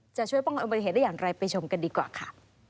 จะช่วยป้องกันอุบัติเหตุได้อย่างไรไปชมกันดีกว่าค่ะ